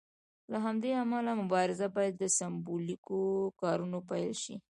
له همدې امله مبارزه باید له سمبولیکو کارونو پیل شي.